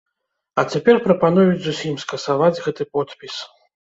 А цяпер прапануюць зусім скасаваць гэты подпіс.